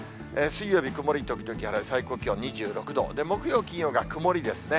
水曜日曇り時々晴れ、最高気温２６度、木曜、金曜が曇りですね。